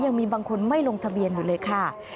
ยังมีบางคนไม่ลงทะเบียนอยู่เลยค่ะ